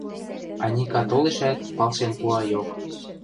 – Аника толешӓт, палшен пуа йок...